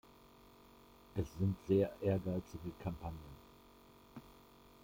Es sind sehr ehrgeizige Kampagnen.